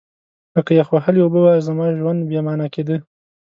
لکه یخ وهلې اوبه به زما ژوند بې مانا کېده.